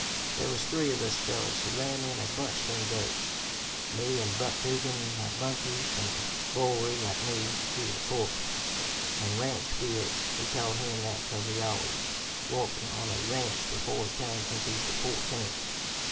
"There was three of us fellers who ran in a bunch them days: me an' Buck Dugan, my bunkie, from the Bowery like me (he was a corporal), an' Ranch Fields we called him that 'cause he always woiked on a ranch before he come into the Fourteenth.